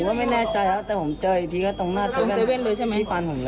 ผมก็ไม่แน่ใจแล้วแต่ผมเจออีกทีก็ตรงหน้าเซเว่นตรงเซเว่นเลยใช่ไหม